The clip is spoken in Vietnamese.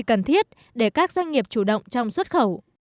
các doanh nghiệp chủ động trong xuất khẩu